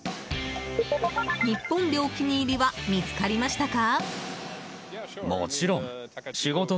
日本で、お気に入りは見つかりましたか？